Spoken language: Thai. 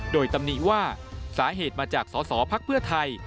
โดยตำหนิว่าสาเหตุมาจากสอสอพักเพื่อไทย